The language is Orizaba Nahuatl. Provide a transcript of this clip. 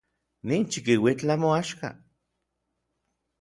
Nin chikiuitl namoaxka.